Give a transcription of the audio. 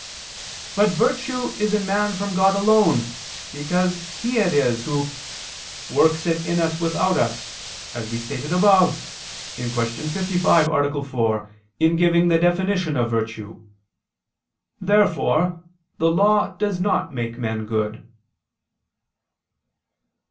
But virtue is in man from God alone, because He it is Who "works it in us without us," as we stated above (Q. 55, A. 4) in giving the definition of virtue. Therefore the law does not make men good.